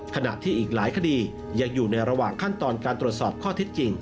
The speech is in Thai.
ขณะที่อีกหลายคดียังอยู่ในระหว่างขั้นตอนการตรวจสอบข้อเท็จจริง